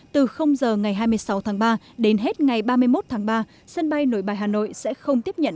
từ giờ ngày hai mươi sáu tháng ba đến hết ngày ba mươi một tháng ba sân bay nội bài hà nội sẽ không tiếp nhận